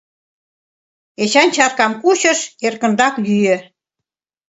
Эчан чаркам кучыш, эркынрак йӱӧ.